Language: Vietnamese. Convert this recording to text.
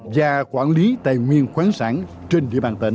và quản lý tài nguyên khoáng sản trên địa bàn tỉnh